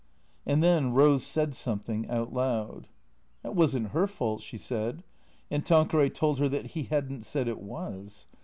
And then Eose said something, out loud. That was n't her fault, she said. And Tanqueray told her that he had n't said it was.